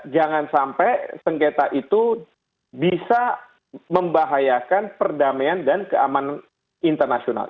jangan sampai sengketa itu bisa membahayakan perdamaian dan keamanan internasional